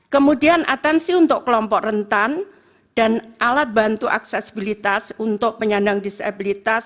kemudian atensi untuk kelompok rentan dan alat bantu aksesibilitas untuk penyandang disabilitas